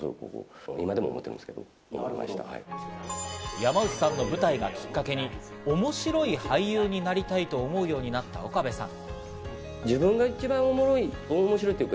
山内さんの舞台がきっかけに、おもしろい俳優になりたいと思うようになった岡部さん。